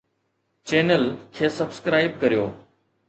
channel کي subscribe ڪريو